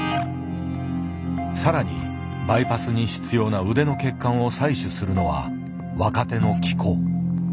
さらにバイパスに必要な腕の血管を採取するのは若手の喜古。